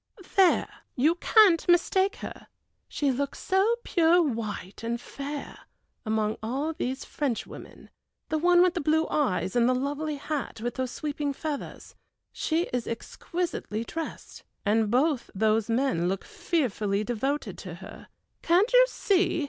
"There; you can't mistake her, she looks so pure white, and fair, among all these Frenchwomen The one with the blue eyes and the lovely hat with those sweeping feathers. She is exquisitely dressed, and both those men look fearfully devoted to her. Can't you see?